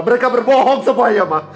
mereka berbohong semuanya ma